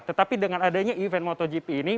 tetapi dengan adanya event motogp ini